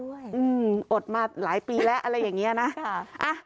อืมอดมาหลายปีแล้วอะไรอย่างเงี้ยนะค่ะอ่ะ